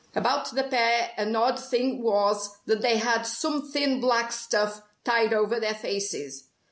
About the pair an odd thing was that they had some thin black stuff tied over their faces.